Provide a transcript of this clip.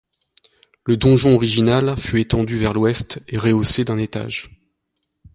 Le donjon original fut étendu vers l'ouest et rehaussé d'un étage.